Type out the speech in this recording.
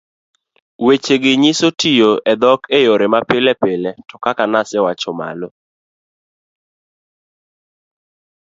wechegi nyiso tiyo e dhok e yore mapilepile to kaka nasewacho malo,